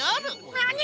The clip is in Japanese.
なに！？